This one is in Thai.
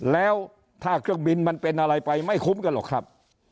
แล้วถ้าเครื่องบินมันเป็นอะไรไปไม่คุ้มกันหรอกครับ